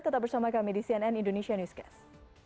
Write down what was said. tetap bersama kami di cnn indonesia newscast